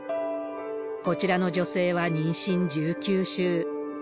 こちらの女性は妊娠１９週。